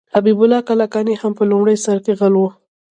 حبیب الله کلکاني هم په لومړي سر کې غل و.